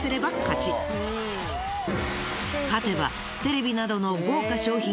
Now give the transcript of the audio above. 勝てばテレビなどの豪華賞品。